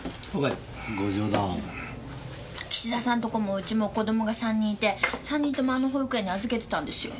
岸田さんとこもウチも子供が３人いて３人ともあの保育園に預けてたんですよ。